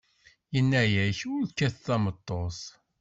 Yenna-ak ur kkat tameṭṭut.